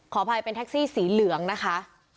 อภัยเป็นแท็กซี่สีเหลืองนะคะ